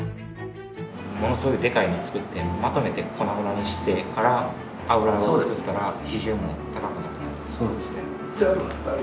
ものすごいでかいもの作ってまとめて粉々にしてから油を作ったら比重も高くなる？